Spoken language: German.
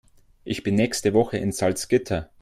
Ich bin nächste Woche in Salzgitter